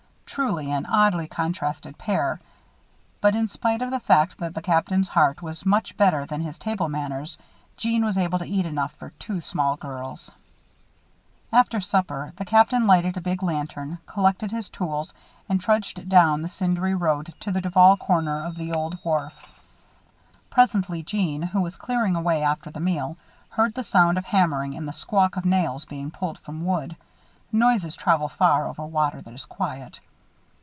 Truly an oddly contrasted pair. But in spite of the fact that the Captain's heart was much better than his table manners, Jeanne was able to eat enough for two small girls. After supper, the Captain lighted a big lantern, collected his tools, and trudged down the cindery road to the Duval corner of the old wharf. Presently Jeanne, who was clearing away after the meal, heard the sound of hammering and the "squawk" of nails being pulled from wood noises travel far, over water that is quiet.